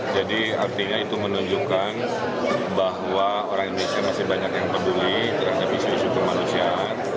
jadi artinya itu menunjukkan bahwa orang indonesia masih banyak yang peduli terhadap isu isu kemanusiaan